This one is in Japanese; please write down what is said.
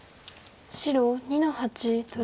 白２の八取り。